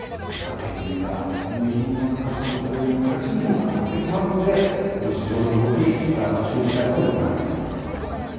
原油や輸入品の価格、それに暮らしにも関わってきますので、この市場の動き、しばらく注意したいと思います。